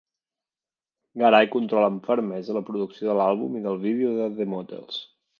Garay controla amb fermesa la producció de l'àlbum i del vídeo de The Motels.